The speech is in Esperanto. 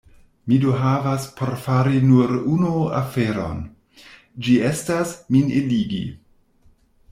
Mi do havas por fari nur unu aferon: ĝi estas, min eligi.